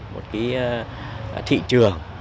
một cái thị trường